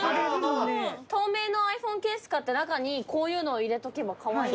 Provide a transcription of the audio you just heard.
透明のｉＰｈｏｎｅケース買って中にこういうのを入れとけばカワイイ。